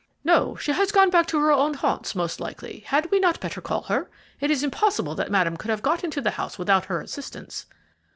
"No, she has gone back into her own haunts, most likely. Had we not better call her? It is impossible that Madame could have got into the house without her assistance."